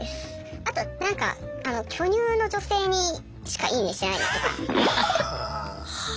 あと何かあの巨乳の女性にしか「いいね」してないだとか。